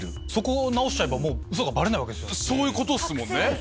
そういうことっすもんね。